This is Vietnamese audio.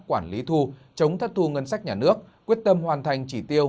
quản lý thu chống thất thu ngân sách nhà nước quyết tâm hoàn thành chỉ tiêu